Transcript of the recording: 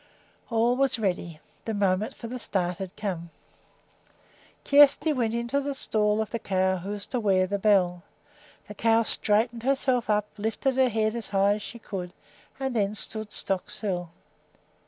All was ready. The moment for the start had come. Kjersti went into the stall of the cow who was to wear the bell. The cow straightened herself up, lifted her head as high as she could, and then stood stock still.